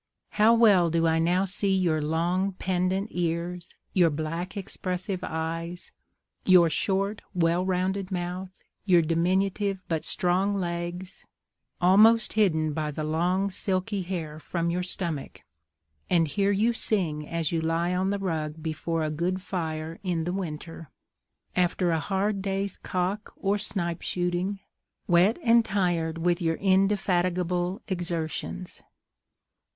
How well do I now see your long pendent ears, your black expressive eyes, your short, well rounded mouth, your diminutive but strong legs, almost hidden by the long, silky hair from your stomach, and hear you sing as you lie on the rug before a good fire in the winter, after a hard day's cock or snipe shooting, wet and tired with your indefatigable exertions!